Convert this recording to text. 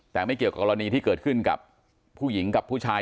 แต่ไม่เกี่ยวกับกรณีที่เกิดขึ้นกับผู้หญิงกับผู้ชาย